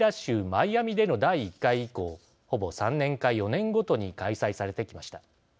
マイアミでの第１回以降ほぼ３年か４年ごとに開催されてきました。